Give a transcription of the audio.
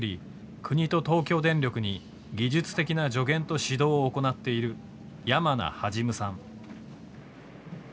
国と東京電力に技術的な助言と指導を行っている山名元さん。